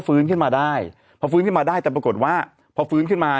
ฟื้นขึ้นมาได้พอฟื้นขึ้นมาได้แต่ปรากฏว่าพอฟื้นขึ้นมา